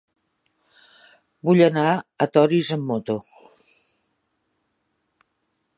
Vull anar a Torís amb moto.